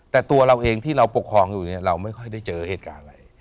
แต่ตัวเราเองที่เราปกครองอยู่เนี่ยเราไม่ค่อยได้เจอเหตุการณ์อะไร